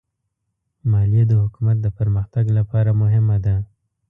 مالیه د حکومت د پرمختګ لپاره مهمه ده.